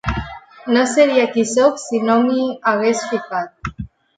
No seria qui sóc si no m'hi hagués ficat.